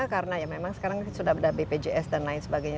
karena memang sekarang sudah ada bpjs dan lain sebagainya